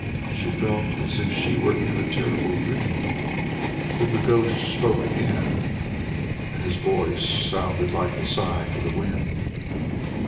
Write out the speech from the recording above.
She felt as if she was in a terrible dream. Then the ghost spoke again, and his voice sounded like the sighing of the wind.